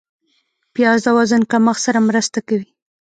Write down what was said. پیاز د وزن کمښت سره مرسته کوي